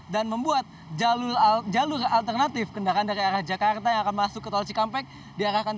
dan membuat jalur alternatif kendaraan dari arah jakarta yang akan masuk ke tol cikampek